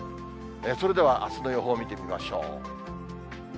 それではあすの予報を見ていきましょう。